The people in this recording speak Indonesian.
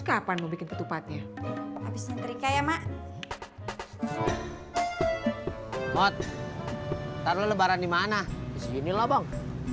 kapan mau bikin ketupatnya habisnya terikai ya mak not taruh lebaran dimana disinilah bang